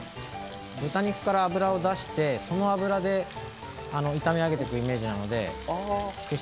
豚肉から脂を出してその脂で炒め上げてくイメージなので。